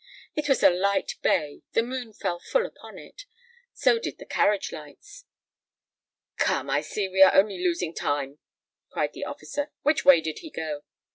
"It was a light bay—the moon fell full upon it—so did the carriage lights." "Come, I see we are only losing time," cried the officer. "Which way did he go?"